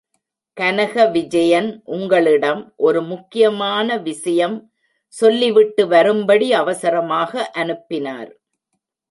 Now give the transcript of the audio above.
கனக விஜயன் உங்களிடம் ஒரு முக்கியமான விசயம் சொல்லிவிட்டு வரும்படி அவசரமாக அனுப்பினார்.